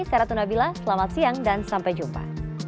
saya ratna bila selamat siang dan sampai jumpa